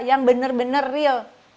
yang bener bener real